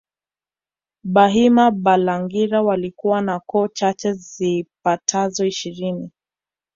Bahima Balangira walikuwa na koo chache zipatazo ishirini